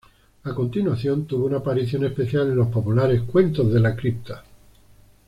A continuación, tuvo una aparición especial en los populares "Cuentos de la Cripta".